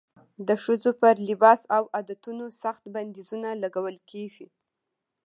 د ښځو پر لباس او عادتونو سخت بندیزونه لګول کېږي.